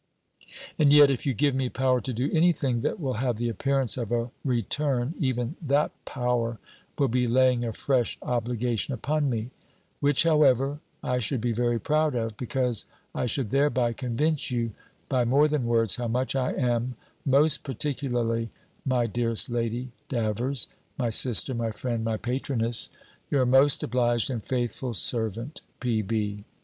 And yet, if you give me power to do any thing that will have the appearance of a return, even that power will be laying a fresh obligation upon me Which, however, I should be very proud of, because I should thereby convince you, by more than words, how much I am (most particularly, my dearest Lady Davers, my sister, my friend, my patroness), your most obliged and faithful servant, P.